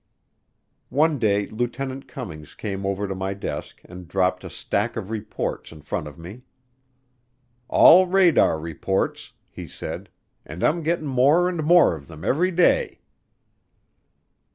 One day Lieutenant Cummings came over to my desk and dropped a stack of reports in front of me. "All radar reports," he said, "and I'm getting more and more of them every day."